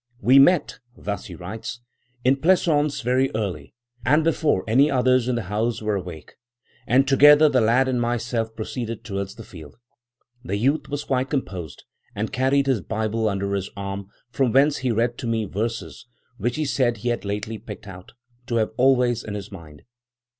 "We met," thus he writes, "in the pleasaunce very early, and before any others in the house were awake; and together the lad and myself proceeded towards the field. The youth was quite composed, and carried his Bible under his arm, from whence he read to me verses, which he said he had lately picked out, to have always in his mind.